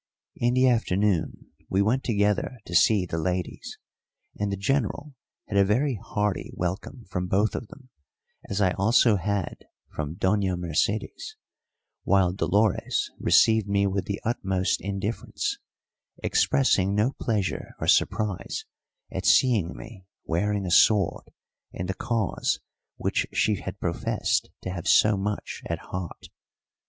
In the afternoon we went together to see the ladies, and the General had a very hearty welcome from both of them, as I also had from Doña Mercedes, while Dolores received me with the utmost indifference, expressing no pleasure or surprise at seeing me wearing a sword in the cause which she had professed to have so much at heart.